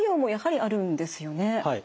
はい。